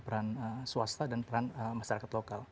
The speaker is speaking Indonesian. peran swasta dan peran masyarakat lokal